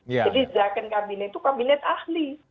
jadi zakon kabinet itu kabinet ahli